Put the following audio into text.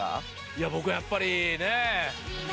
いや僕はやっぱり。